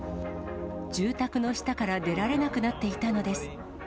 住宅の下から出られなくなっていたのです。